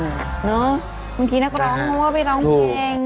เนอะบางทีนักร้องว่าไปร้องเพลง